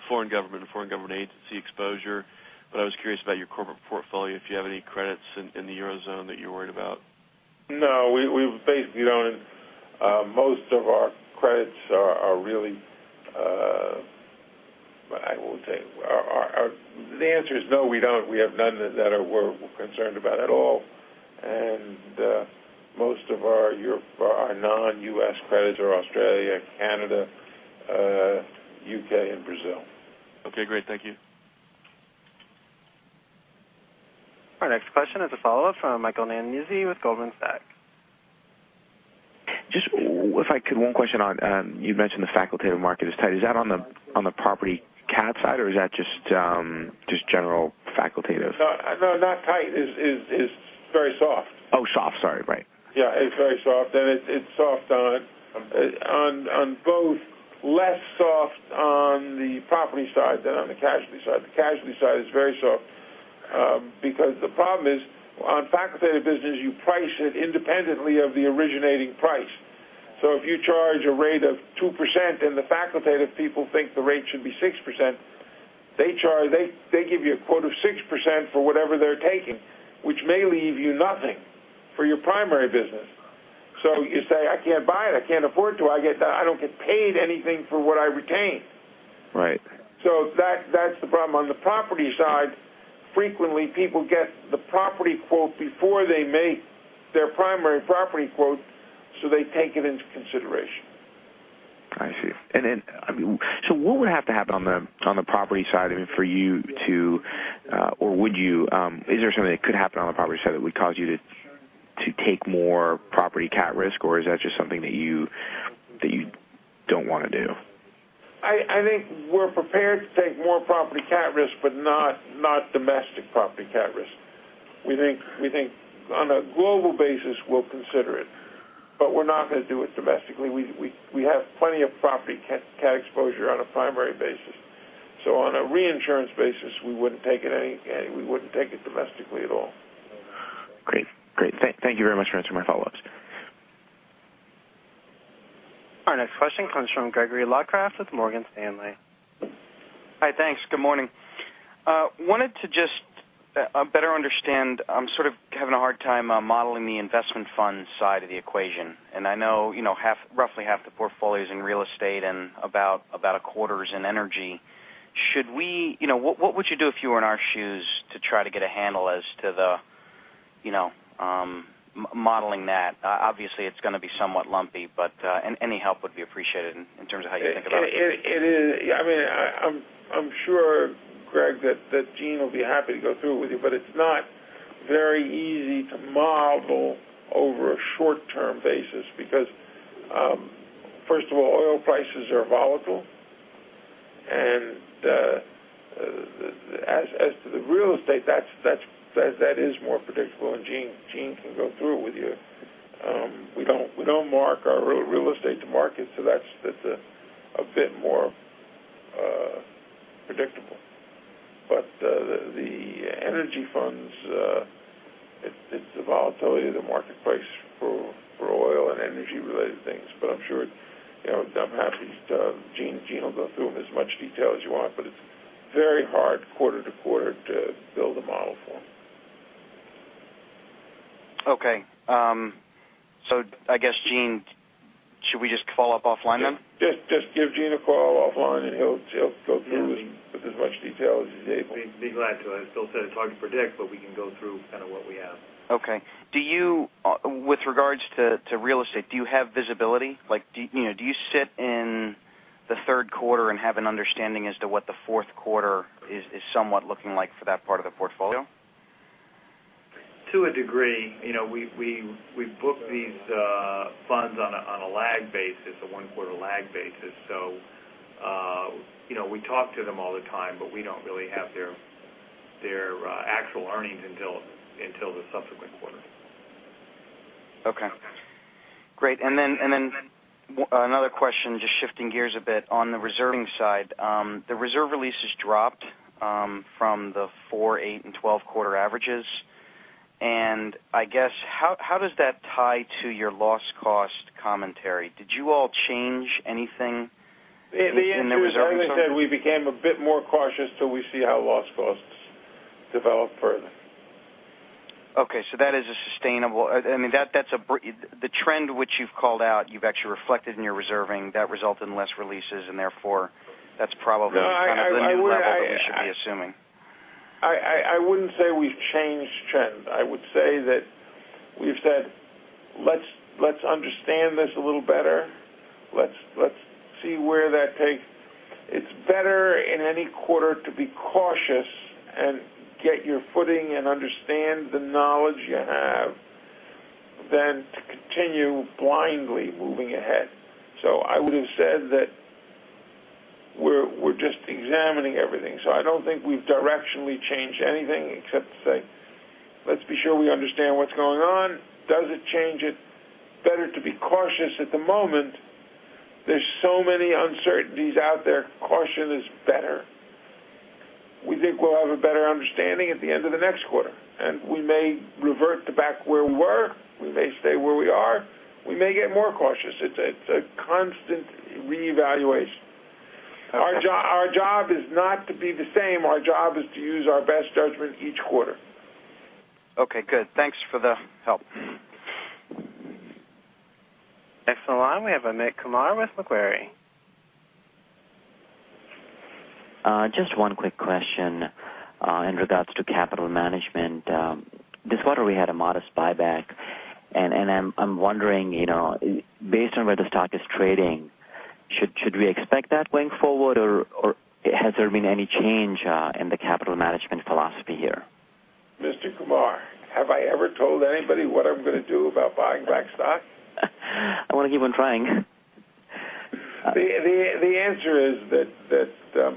foreign government, foreign government agency exposure, I was curious about your corporate portfolio, if you have any credits in the Eurozone that you're worried about. No, we basically don't. The answer is no, we don't. We have none that we're concerned about at all. Most of our non-U.S. credits are Australia, Canada, U.K., and Brazil. Okay, great. Thank you. Our next question is a follow-up from Michael Nannizzi with Goldman Sachs. Just if I could, one question on, you mentioned the facultative market is tight. Is that on the property cat side, or is that just general facultative? No, not tight. It's very soft. Oh, soft. Sorry. Right. Yeah, it's very soft, and it's soft on both, less soft on the property side than on the casualty side. The casualty side is very soft. The problem is, on facultative business, you price it independently of the originating price. If you charge a rate of 2% and the facultative people think the rate should be 6%, they give you a quote of 6% for whatever they're taking, which may leave you nothing for your primary business. You say, "I can't buy it. I can't afford to. I don't get paid anything for what I retain. Right. That's the problem. On the property side, frequently, people get the property quote before they make their primary property quote, they take it into consideration. I see. What would have to happen on the property side, I mean, for you to, or would you, is there something that could happen on the property side that would cause you to take more property cat risk, or is that just something that you don't want to do? I think we're prepared to take more property cat risk, but not domestic property cat risk. We think on a global basis, we'll consider it. We're not going to do it domestically. We have plenty of property cat exposure on a primary basis. On a reinsurance basis, we wouldn't take it domestically at all. Great. Thank you very much for answering my follow-ups. Our next question comes from Gregory Locraft with Morgan Stanley. Hi, thanks. Good morning. I wanted to just better understand, I'm sort of having a hard time modeling the investment fund side of the equation. I know roughly half the portfolio's in real estate and about a quarter is in energy. What would you do if you were in our shoes to try to get a handle as to the modeling that? Obviously, it's going to be somewhat lumpy, but any help would be appreciated in terms of how you think about it. I'm sure, Greg, that Gene will be happy to go through it with you, but it's not very easy to model over a short-term basis because, first of all, oil prices are volatile. As to the real estate, that is more predictable, and Gene can go through it with you. We don't mark our real estate to market, so that's a bit more predictable. The energy funds, it's the volatility of the marketplace for oil and energy-related things. I'm happy, Gene will go through them as much detail as you want, but it's very hard quarter to quarter to build a model for them. Okay. I guess, Gene, should we just follow up offline then? Just give Gene a call offline and he'll go through this with as much detail as he's able. Be glad to. As Bill said, it's hard to predict, but we can go through kind of what we have. Okay. With regards to real estate, do you have visibility? Do you sit in the third quarter and have an understanding as to what the fourth quarter is somewhat looking like for that part of the portfolio? To a degree. We book these funds on a lag basis, a one-quarter lag basis. We talk to them all the time, but we don't really have their actual earnings until the subsequent quarter. Okay. Great. Then another question, just shifting gears a bit on the reserving side. The reserve releases dropped from the four, eight, and 12-quarter averages. I guess, how does that tie to your loss cost commentary? Did you all change anything in the reserves? The answer is, as I said, we became a bit more cautious till we see how loss costs develop further. Okay, that is a sustainable. The trend which you've called out, you've actually reflected in your reserving, Therefore that's probably kind of the new level that we should be assuming. I wouldn't say we've changed trend. I would say that we've said, let's understand this a little better. Let's see where that takes. It's better in any quarter to be cautious and get your footing and understand the knowledge you have than to continue blindly moving ahead. I would've said that we're just examining everything. I don't think we've directionally changed anything except to say, let's be sure we understand what's going on. Does it change it? Better to be cautious at the moment. There's so many uncertainties out there, caution is better. We think we'll have a better understanding at the end of the next quarter, We may revert to back where we were. We may stay where we are. We may get more cautious. It's a constant reevaluation. Our job is not to be the same. Our job is to use our best judgment each quarter. Okay, good. Thanks for the help. Next in line, we have Amit Kumar with Macquarie. Just one quick question in regards to capital management. This quarter, we had a modest buyback, I'm wondering, based on where the stock is trading, should we expect that going forward, or has there been any change in the capital management philosophy here? Mr. Kumar, have I ever told anybody what I'm going to do about buying back stock? I want to keep on trying. The answer is that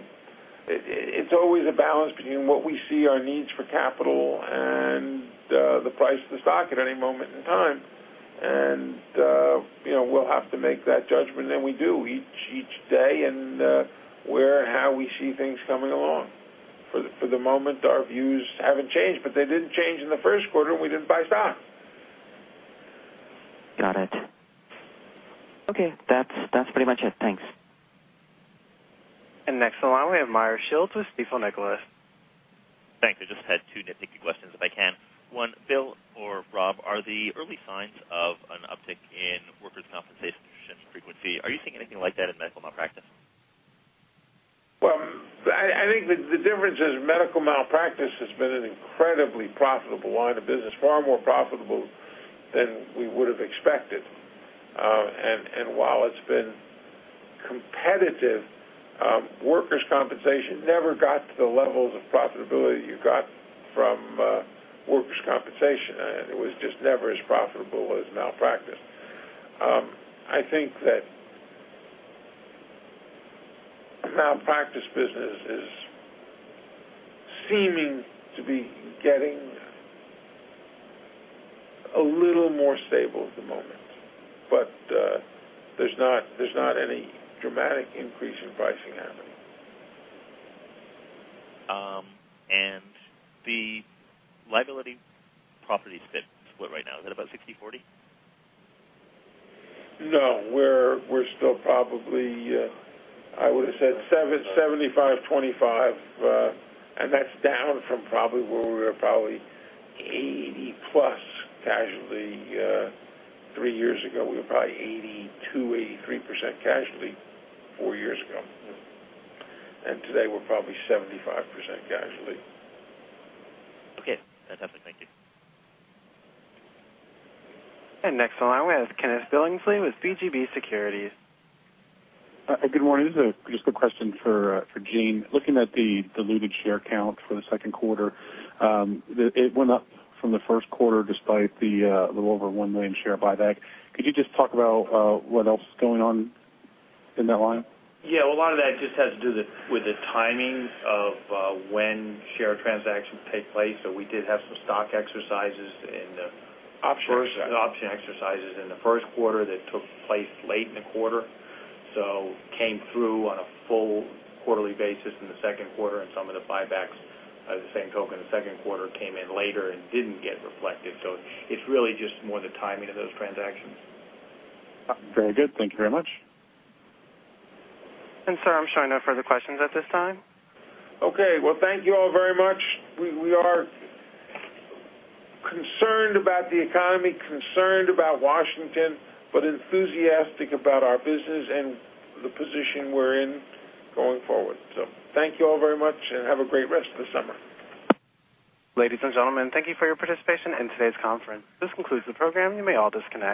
it's always a balance between what we see our needs for capital and the price of the stock at any moment in time. We'll have to make that judgment, and we do each day, and where and how we see things coming along. For the moment, our views haven't changed, they didn't change in the first quarter, and we didn't buy stock. Got it. Okay. That's pretty much it. Thanks. Next in line, we have Meyer Shields with Stifel Nicolaus. Thanks. I just had two nitpicky questions, if I can. One, Bill or Rob, are the early signs of an uptick in workers' compensation insurance frequency, are you seeing anything like that in medical malpractice? Well, I think the difference is medical malpractice has been an incredibly profitable line of business, far more profitable than we would've expected. While it's been competitive, workers' compensation never got to the levels of profitability you got from workers' compensation, it was just never as profitable as medical malpractice. I think that medical malpractice business is seeming to be getting a little more stable at the moment, there's not any dramatic increase in pricing happening. The liability/property split what right now? Is that about 60/40? No, we're still probably, I would've said 75/25. That's down from probably where we were probably 80-plus casualty three years ago. We were probably 82%-83% casualty four years ago. Today, we're probably 75% casualty. Okay. That's helpful. Thank you. Next in line, we have Kenneth Billingsley with BGB Securities. Good morning. This is just a question for Gene. Looking at the diluted share count for the second quarter, it went up from the first quarter despite the little over one million share buyback. Could you just talk about what else is going on in that line? Yeah, a lot of that just has to do with the timing of when share transactions take place. We did have some stock exercises. Option exercises option exercises in the first quarter that took place late in the quarter. Came through on a full quarterly basis in the second quarter, some of the buybacks by the same token in the second quarter came in later and didn't get reflected. It's really just more the timing of those transactions. Very good. Thank you very much. Sir, I'm showing no further questions at this time. Okay. Well, thank you all very much. We are concerned about the economy, concerned about Washington, enthusiastic about our business and the position we're in going forward. Thank you all very much, have a great rest of the summer. Ladies and gentlemen, thank you for your participation in today's conference. This concludes the program. You may all disconnect.